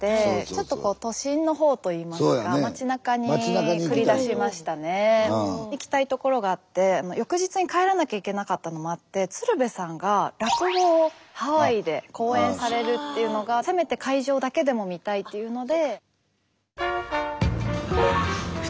ちょっと都心の方といいますか行きたい所があって翌日に帰らなきゃいけなかったのもあって鶴瓶さんが落語をハワイで公演されるっていうのがせめて会場だけでも見たいっていうので。